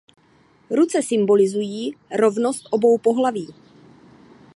Ruce symbolizují rovnost obou pohlaví.